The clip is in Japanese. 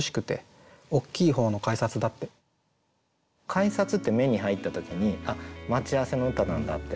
「改札」って目に入った時にあっ待ち合わせの歌なんだって分かると思うんですよ。